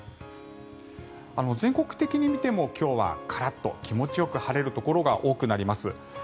全国的に見ても今日はカラッと気持ちよく晴れるところが多くなります。